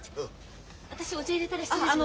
私お茶いれたら失礼しますから。